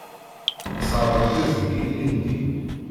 Sserɣen tiẓgi ilindi.